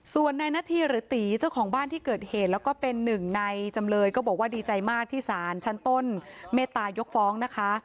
ส่วนในหน้าที่หรือตีเจ้าของบ้านที่เกิดเหตุแล้วก็เป็นหนึ่งในจำเลยก็บอกว่าดีใจมากที่สารชั้นต้นเมตายกฟ้องนะคะ